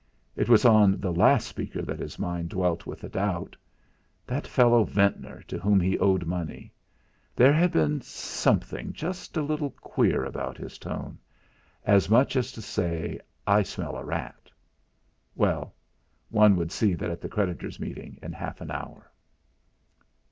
It was on the last speaker that his mind dwelt with a doubt. That fellow Ventnor, to whom he owed money there had been something just a little queer about his tone as much as to say, "I smell a rat." Well! one would see that at the creditors' meeting in half an hour.